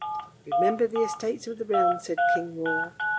" Remember the Estates of the Realm," said King Hroar.